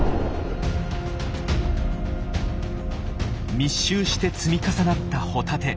密集して積み重なったホタテ。